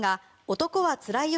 「男はつらいよ」